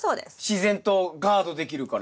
自然とガードできるから。